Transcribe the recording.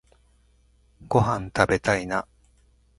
ごはんたべたいな